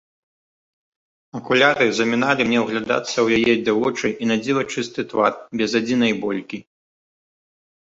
Акуляры заміналі мне ўглядацца ў яе дзявочы і надзіва чысты твар без адзінай болькі.